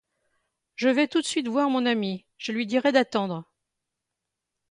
Je vais tout de suite voir mon ami, je lui dirai d'attendre.